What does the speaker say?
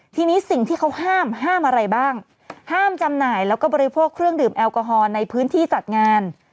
ทีนี้สิ่งที่เขาห้ามห้ามอะไรบ้างห้ามจำหน่ายแล้วก็บริโภคเครื่องดื่มแอลกอฮอล์ในพื้นที่จัดงาน